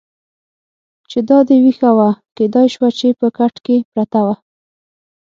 چې دا دې وېښه وه، کېدای شوه چې په کټ کې پرته وه.